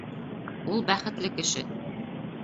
Ул бәхетле кеше